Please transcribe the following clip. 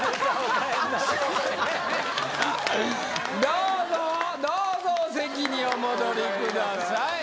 どうぞどうぞお席にお戻りください